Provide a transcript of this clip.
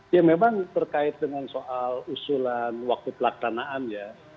ya memang terkait dengan soal usulan waktu pelaksanaan ya